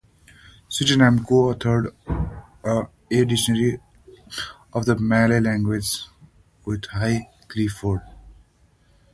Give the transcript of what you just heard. Swettenham co-authored a "A Dictionary of the Malay Language" with Hugh Clifford.